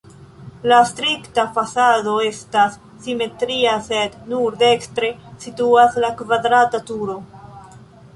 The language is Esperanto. La strikta fasado estas simetria, sed nur dekstre situas la kvadrata turo.